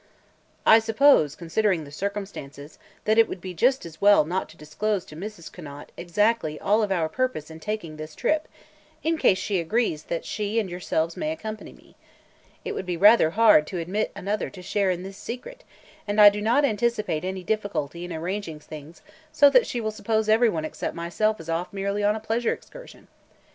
"I suppose, considering the circumstances, that it would be just as well not to disclose to Mrs. Conant exactly all of our purpose in baking this trip, in case she agrees that she and yourselves may accompany me. It would be rather hard to admit another to share in this secret, and I do not anticipate any difficulty in arranging things so that she will suppose every one except myself is off merely on a pleasure excursion.